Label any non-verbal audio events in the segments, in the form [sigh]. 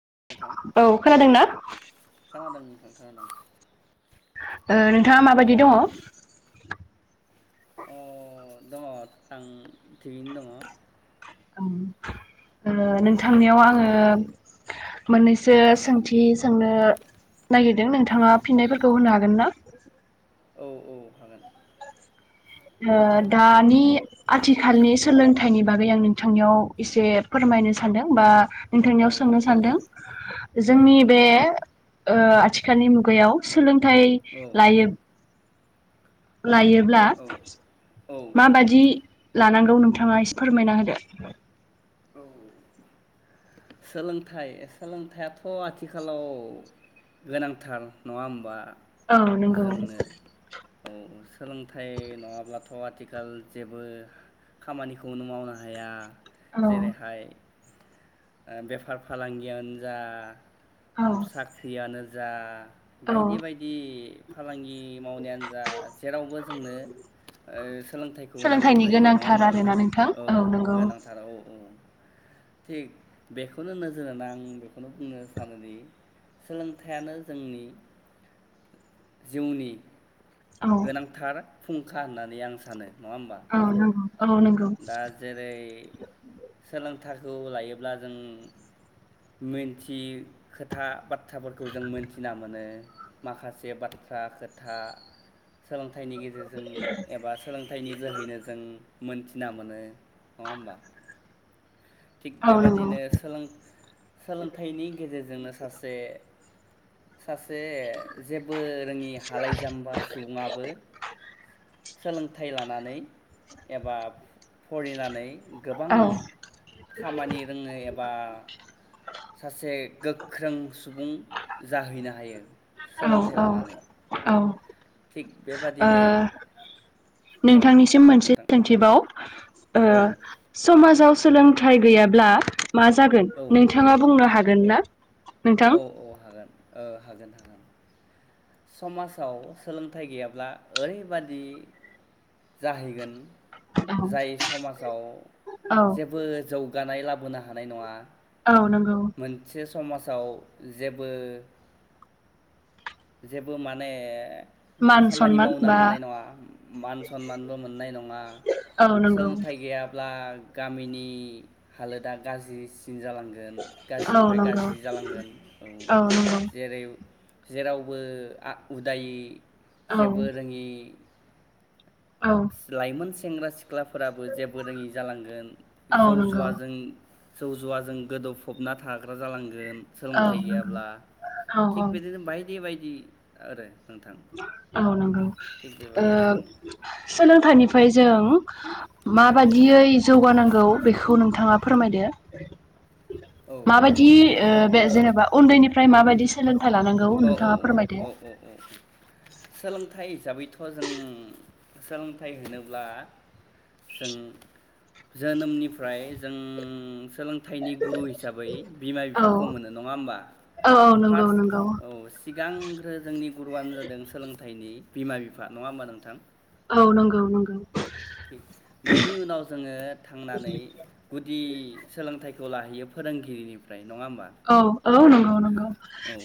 [unintelligible] नोंथां औ नोंथां खोनादोंना खोनादोंं [inaudible] नोंथाङा माबायदि दंङ अ दङ नोंथां थिगैनो दंङ औ नोंथांनियाव आंङो मोननैसो सोंथि सोंनो नागिरदों नोंथाङा फिननायफोरखौ होनो हागोन ना औ औ हागोन ओ दे दानि आथिखालनि सोलोंथाइनि बागै आं नोंथांनियाव एसे फोरमायनो सानदों बा औ नोंथांनियाव सोंनो सानदों औ जोंनि बे ओ आथिखालनि मुगायाव सोलों थाय औ लायो लायोब्ला औ औ माबादि लानांगौ नोंथांङा एसे फोरमायना होदो औ सोलोंथाइ सोलोंथाइआथ आथिखालाव गोनांथार नंङा होमबा औ नोंगौ जोंनो औ सोलोंथाइ नंङाब्लाथ आथिखाल जेबो खामानिखौनो मावनो हाया औ जेरैहाय ओ बेफार फालांगियानो जा औ साख्रियानो जा औ बायदि बायदि फालांगि मावनायानो जा जेरावबो जोंनो ओ सोलोंथाइखौ नांगौ सोलोंथाइनि जायो नंङा गोनांथार होमबा नोंथां आरोना औ नंगौ गोनांथार औ उम थिग बेखौनो नोजोर होना आं बेखौनो बुंनो सानोदि सोलोंथाइयानो जोंनि जिउनि औ गोनांथार फुंखा होननानै आं सानो नङा होमबा औ नंगौ औ नंगौ दा जेरै सोलों थारखौ लायोब्ला जों मोनथि खोथा बाथ्राफोरखौ जों मोनथिना मोनो माखासे बाथ्रा खोथा सोलोंथ थाइनि गेजेरजों एबा सोलोंथाइनि जोहैनो जों मोनथिना मोनो नंङा होमबा। थिग बे औ नंगौ बादिनो सोलों सोलोंथाइनि गे गेजेरजोंनो सासे सासे जेबो रोङि हालाय जाम्बा सुबुंङाबो सोलोंथाइ लानानै एबा फरिनानै गोबां औ खामानि रोङो एब बा सासे गोख्रों सुबुं जाहैनो हायो। औ सोलोंथाइ औ लानानै औ थिग ओ बेबादिनो औ नोंथांनिसिम मोनसे नोंथां सोंथिबाव। [inaudible] ओ औ समाजाव सोलोंथाइ गैयाब्ला मा जागोन औ नोंथांङा बुंनो हागो गोनना? औ औ हागोन। ओ हागोन हागोन समाजाव सोलोंथाइ गैयाब्ला ओरैबादि जाहैगोन औ जाय समाजाव औ जेबो जौगानाय लाब होनो हानाय नङा। औ नंगौ। मोनसे समाजाव जेबो जेबो माने मान खामानि सनमान मावनो बा हानाय नङा मान सनमानबो मोननाय नङा औ नंगौ सोलोंथाइ गैयाब्ला गामिनि हालोदा गाज्रि सिन जालांगोन औ गाज्रिनिफ्राय नंगौ गाज्रि जालांगोन औ जेरै जेरावबो उदायै औ जेबो रोङि औ लाइमोन सेंग्रा सि सिख्लाफोराबो जेबो रोङि जालांगोन जौ औ नंगौ जुवाजों जौ जुवाजों गोदौफबना थाग्रा जालांगोन औ सोलोंथाइ नंगौ औ गैयाब्ला औ थिक बिदिनो बायदि बायदि [unintelligible] आरो नोंथां औ नंगौ थिग ओ बेबादिनो सोलों खुथानिफ्राय जों औ माबादियै जौगानांगौ बेखौ नोंथांङा फोरमायदो औ माबायदि सार बे जेनेबा उन्दैनिफ्राय ओमफ्राय माबायदि सोलों थाय लानांगौ नोंथांङा फोरमायदो सोलोंथा थाइ हिसाबैथ' जों सोलोंथाइ होनोब्ला जों जोनोमनिफ्राय जों सोलों थाइनि गुरु हिसाबै बिमा औ बिफाखौ मोनो नङा होमबा औ नंगौ फार्स्ट नंगौ औ सिगांग्रो जोंनि गुरुआनो जादों नि बिमा बिफा नङा होमबा नोंथां औ नंगौ नंगौ बेनि उनाव जोङो थांनानै गुदि सोलोंथाइ ज' लाहैयो फोरोंगिरिनिफ्राय नङा होमबा औ औ नं औ औ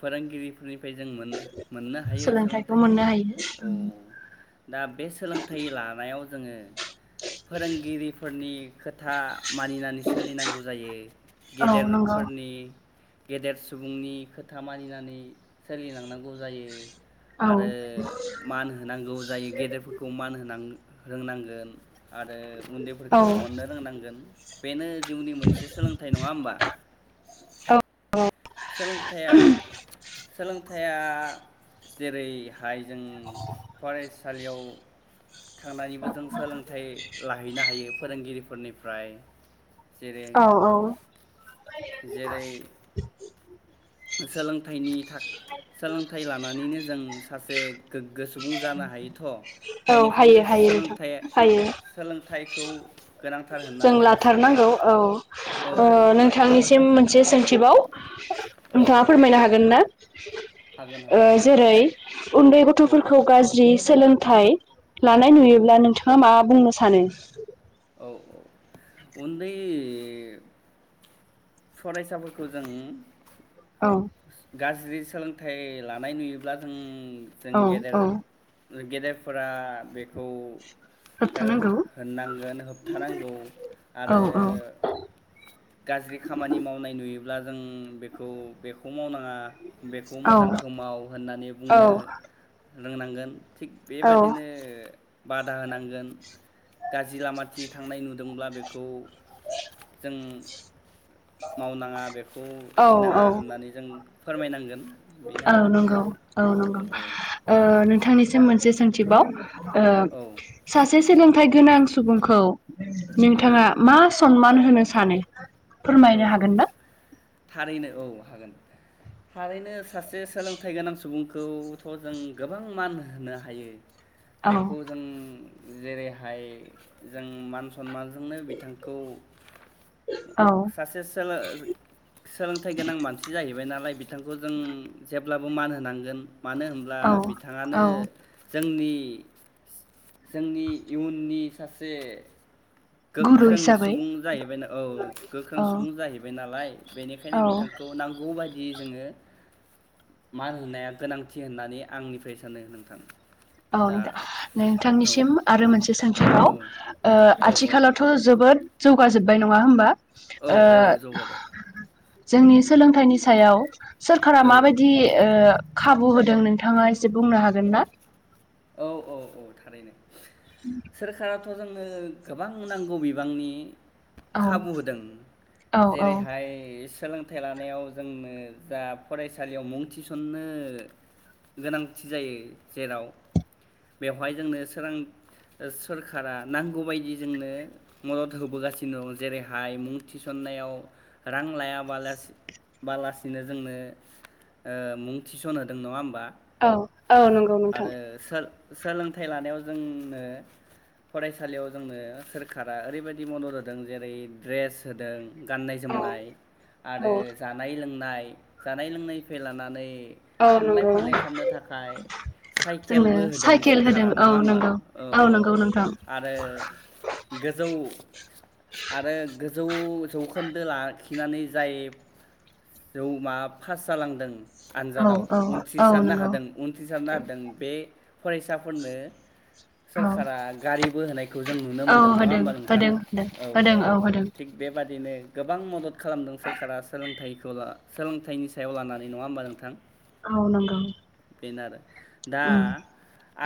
फोरोंगिरि फोरनिफ्राय जों मोननो मोननो हायो सोलोंथाइखौ मोननो हायो औ दा बे सोलोंथाइ लानायाव जोङो फोरोंगिरिफोरनि खोथा मानिनानै सोलिनांगौ जायो औ नंगौ गेदेरफोरनि गेदेर सुबुंनि खोथा मानिनानै सोलिलांनांगौ जायो औ आरो मान होनांगौ जायो गेदेरफोरखौ मान होनां रोंनांगोन आरो औ उन्दैफोरखौबो अननो रोंनांगोन बेनो जिउनि मोनसे सोलोंथाइ नङा होमबा? सोलोंथया सोलों थाइया जेरैहाय जों फरायसालियाव थांनानैबो जों सोलोंथाइ लाहैनो हायो फोरोंगिरिफोरनिफ्राय जेरै औ औ जेरै सोलोंथाइनि था सोलोंथाइ लानानैनो जों सासे गोग्गो सुबुं जानो हायोथ' औ बेनिखायनो हायो हायो नोंथां सोलोंथाइ हायो सोलोंथाइखौ गोनांथार जों होननानै आं सानो लाथारनांगौ औ औ ओ लाथारनांगौ नोंथांनिसिम मोनसे सोंथिबाव औ नोंथाङा औ फोरमायनो हागोन ना? हागोन ओ हागोन जेरै उन्दै औ गथ'फोरखौ गाज्रि सोलों थाय लानाय औ नुयोब्ला नोंथाङा मा बुंनो‌ सानो औ औ उन्दै फरायसाफोरखौ जों औ गाज्रि सोलोंथाइ लानाय नुयोब्ला जों जों औ गेदेर औ गेदेरफोरा बेखौ ओ होबथानांगौ होननांगोन होबथानांगौ औ आरो औ गाज्रि खामानि मावनाय नुयो ब्ला जों बेखौ बेखौ मावनां आ बेखौ औ मोजांखौ माव होननानै बुंनो औ रोंनांगोन थिग बेबादिनो बादा होनांगोन गाज्रि लामा खि थांनाय नुदोंब्ला बेखौ जों मावनाङा बेख खौ औ खिनाङा औ होननानै जों फोरमायनांगोन बेनो औ आरो नंगौ नोंथां औ नंगौ। ओ नोंथांनिसिम मोनसे सों थिबा ओ औ सासे सोलोंथाइ गोनां सुबुंखौ औ नोंथाङा मा सनमान होनो सानो औ फोरमायनो औ हागोन ना? थारैनो औ हागोन थारैनो सासे सोलोंथाइ गोनां सुबुंखौथ' जों गोबां मान होनो हायो। औ बेखौ जों जेरैहाय जों मान सनमानजोंनो बिथांखौ औ सासे सोलो-सोलोंथाइ गोनां मानसि जाहैबाय ना नालाइ बिथांखौ जों जेब्लाबो मान होनांगोन। मानो होनब्ला औ बिथाङानो औ जोंनि [unintelligible] जोंनि इयुननि सासे गुरु गोख्रों हिसाबै सुबुं जाहैबाय औ गोख्रों औ सुबुं जाहैबाय नालाय बेनिखायनो औ बिथांखौ नांगौ बायद दि जोङो मान होना गोनांथि होननानै आंनिफ्राय सानो नोंथां। औ दा नोंथां औ नोंथांनिसिम आरो मोनसे सोंथिबाव औ ओ औ आथिखालावथ' जोबोद जौगासा जोबबाय नङा होमबा? औ ओ औ जौगाबाय जोंनि सोलोंथाइनि सायाव सोरखारा औ माबायदि ओ खाबु होदों नोंथाङा एसे बुंनो हागोन ना? औ औ औ थारैनो। सोरखाराथ' खौ जोंनो गोबां नांगौ बिबांनि औ खाबु होदों औ औ जेरैहाय सोलोंथाइ लानायाव जोंनो जा फरायसालियाव मुं थिसन्नो गोनांथि जायो जेराव बेवहाय जोंनो सोरां सोरखारा नांगौबायदि जोंनो मदद होबोगासिनो दं जेरैहाय मुं थिसननायाव रां लायाबाला बालासिनो जोंनो ओ मुं थिसनहोदों नङा होमबा? औ औ नंगौ नोंथां। आरो सोलोंथाइ लानायाव जोंनो फरायसालियाव जोंनो सोरखारा ओरैबायदि मदद होदों जेरै ड्रेस होदों। गाननाय जोमनाय आरो औ जानाय लों नाय जानाय लोंनायनिफ्राय लानानै औ थांलाय नंगौ फैलाय खालामनो थाखाय साइक जोंनो केलबो होदों साइकेल होदों सोरखारा औ नङा होमबा नंगौ औ औ नंगौ औ नोंथां आरो गोजौ आरो गो जौ जौखोन्दो लाखिनानै जाय जौ माब पास जालांदों औ आनजादाव औ औ उन्थ्रिसारनो नंगौ हादों उन्थ्रिसारनो हादों बे फरायसाफोरनो औ सोरखारा गारि बो होनाय खौ जों नुनो औ मोनदों नङा होदों होमबा नोंथां होदों होदों औ होदों औ होदों थिग बेबादिनो गोबां मदद खालामदों सोरखारा सोलोंथाइखौ ला सोलोंथाइनि सायाव लानानै नङा होमबा नोंथां? औ नोंगौ। बेनो आरो दा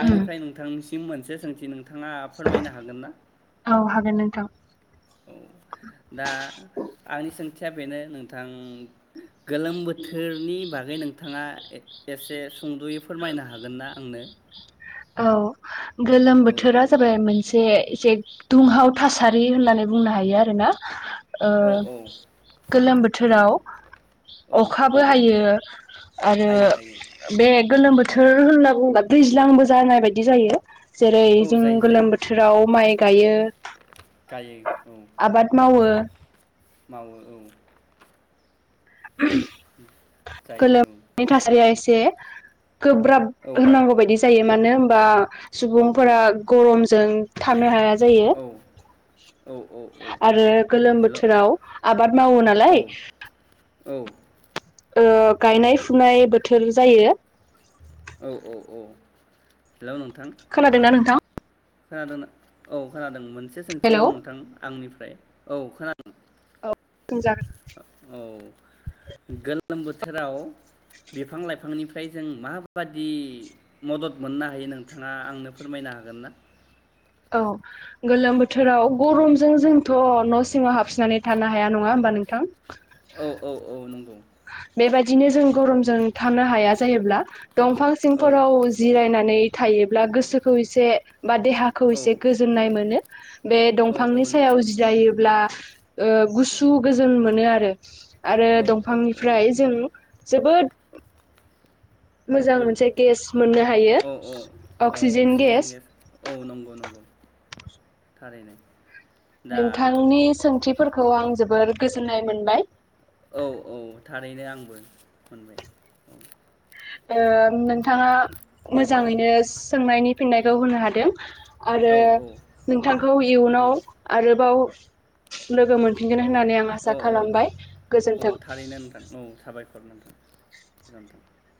उम नोंथांनिसि सिम मोनसे सोंथि नों औ हागोन नोंथां। औ दा आंनि सोंथि या बेनो नोंथां गोलोम बोथोरनि बागै नोंथाङा ए एसे सुंद'यै फोरमायनो हागोन ना आंनो? औ। गोलोम औ औ बोथोरा जाबाय मोनसे एसे दुंहाव थासारि होननानै बुंनो हायो आरो ना। ओ औ औ गोलोम नंगौ बोथोराव औ अखाबो हायो। आरो हायो हायो। बे गोलोम बोथोर होनना बुङोबा दैज्लांबो जानाय बायदि जायो। जेरै औ जों जायो जायो गोलोम बोथोराव माइ गायो। गायो औ आबाद मावो। मावो औ। जायो गोलोमनि थासारिया एसे गोब्राब औ होनांगौ बायदि जायो मानो बा औ सुबुंफोरा गरमजों थानो हाया जायो औ औ औ औ आरो गोलोम हेल' औ बोथोराव आबाद मावो नालाय। औ ओ गायनाय फुनाय बोथोर जायो। औ औ औ। हेलौ नोंथां। खोनादोंना नोंथां? खोनादों औ खोनादों मोन। मोनसे हेलौ सोंथिबाव नोंथां आंनिफ्राय, औ खोना [unintelligible] [inaudible] औ गोलोम बोथोराव बिफां लाइफांनिफ्राय जों माबादि मदद मोननो हायो नोंथाङा आंनो फोरमायनो हागोन ना? औ गोलोम बोथोराव गरमजों जों थ' न' सिङाव हाबफननानै थानो हाया नङा होमबा नोंथां? औ औ औ नंगौ बेबायदिनो जों नंगौ गरमजों थानो हाया जायोब्ला दंफां औ सिंफोराव जिरायनानै थायोब्ला गोसोखौ एसे बा देहाखौ औ एसे गोजोननाय मोनो। बे औ औ दंफांनि सायाव नंगौ जिरायोब्ला ओ गुसु गोजोन मोनो आरो। आरो औ दं औ औ फांनिफ्राय जों जोबोद मोजां औ [inaudible] मोनसे गेस मोननो हायो औ औ औ, अक्सिजेन गेस औ, नंगौ नंगौ। थारैनो दा नोंथांनि सोंथिफोरखौ आं जोबोद गोजोननाय मोनबाय। औ औ थारैनो आंबो मोनबाय ओं नोंथाङा मोजाङैनो सोंनायनि फिननायखौ होनो हादों। आरो औ औ नोंथांखौ नंगौ इयुनाव आरोबाव लोगो मोनफिनगोन औ होननानै आं औ आसा औ खालामबाय औ गोजोन्थों। थारैनो नोंथां औ साबायखर [unintelligible]